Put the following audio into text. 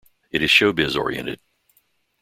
It is showbiz oriented.